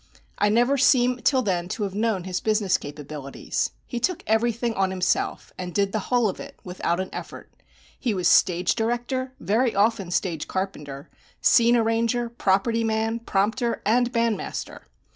"I never seem till then to have known his business capabilities. He took everything on himself, and did the whole of it without an effort. He was stage director, very often stage carpenter, scene arranger, property man, prompter, and band master.